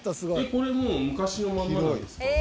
これもう昔のままなんですか？